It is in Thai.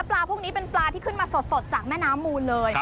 ปลาพวกนี้เป็นปลาที่ขึ้นมาสดจากแม่น้ำมูลเลย